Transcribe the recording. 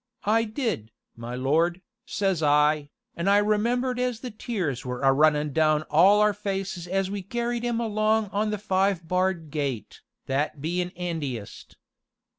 'I did, my lord,' says I, an' I remember as the tears was a runnin' down all our faces as we carried 'im along on the five barred gate, that bein' 'andiest.